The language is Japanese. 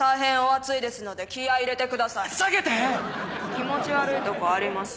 気持ち悪いとこあります？